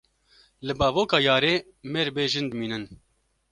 Li bavoka yarê mêr bê jin dimînin.